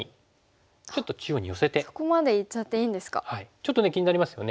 ちょっと気になりますよね。